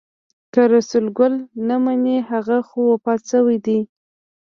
که رسول ګل نه مني هغه خو وفات شوی دی.